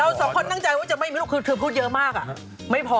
เราสองคนตั้งใจว่าเธอพูดเยอะมาก